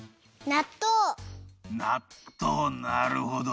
なっとうなるほど。